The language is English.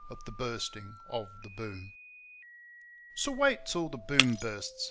at the Bursting of the Boom. So wait till the Boom bursts!